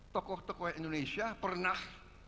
tokoh tokoh indonesia pernah